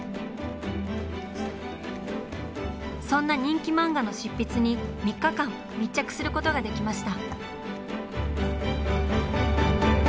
そんな人気漫画の執筆に３日間密着することができました。